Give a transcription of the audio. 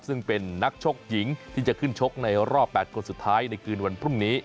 ซึ่งเป็นนักชกหญิงที่จะขึ้นชกในรอบ๘คนสุดท้ายในคืนวันพรุ่งนี้